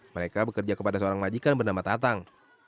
mereka bekerja kepada seorang majikan bernama tatang